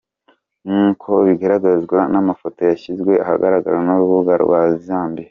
Nk’uko bigaragazwa n’amafoto yashyizwe ahagaragara n’urubuga rwa Zimbio.